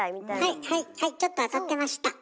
はいはいはいちょっと当たってました！